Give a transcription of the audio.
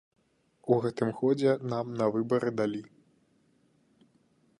У гэтым годзе нам на выбары далі.